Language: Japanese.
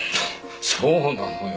そうなのよ。